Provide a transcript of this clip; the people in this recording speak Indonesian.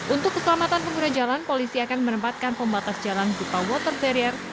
untuk keselamatan pengguna jalan polisi akan menempatkan pembatas jalan dupa water barrier